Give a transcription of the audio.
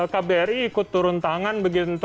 kbri ikut turun tangan